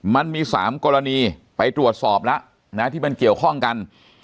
มันมี๓กรณีไปตรวจสอบแล้วนะที่มันเกี่ยวข้องกัน